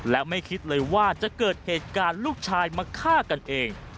และไม่คิดเลยว่าจะเกิดเหตุการณ์ลูกชายมาฆ่ากันเอง